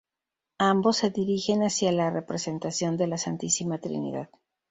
Ambos se dirigen hacia la representación de la Santísima Trinidad.